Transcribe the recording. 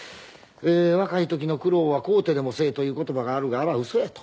“若い時の苦労は買うてでもせえ”という言葉があるがあれはウソや」と。